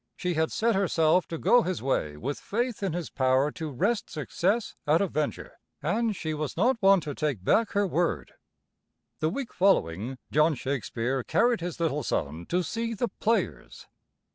She had set herself to go his way with faith in his power to wrest success out of venture, and she was not one to take back her word. The week following, John Shakespeare carried his little son to see the players.